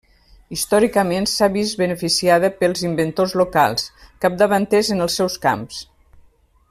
Històricament s'ha vist beneficiada pels inventors locals, capdavanters en els seus camps.